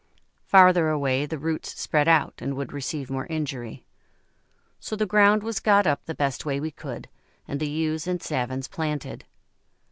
Farther away the roots spread out and would receive more injury. So the ground was got up the best way we could, and the Yews and Savins planted.